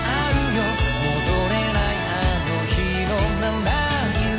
「戻れないあの日の七色」